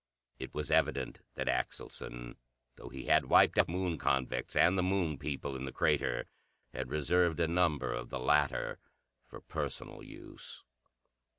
It was evident that Axelson, though he had wiped out the Moon convicts and the Moon people in the crater, had reserved a number of the latter for personal use.